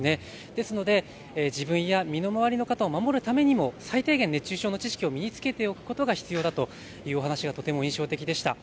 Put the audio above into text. ですので自分や身の回りの方を守るためにも最低限、熱中症の知識を身につけておくことが必要だというお話がとても印象的でした。